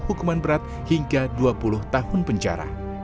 hukuman berat hingga dua puluh tahun penjara